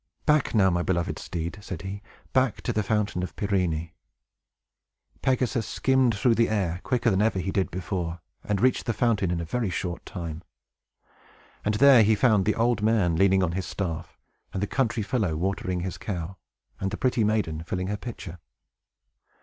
"Back now, my beloved steed!" said he. "Back to the Fountain of Pirene!" Pegasus skimmed through the air, quicker than ever he did before, and reached the fountain in a very short time. And there he found the old man leaning on his staff, and the country fellow watering his cow, and the pretty maiden filling her pitcher.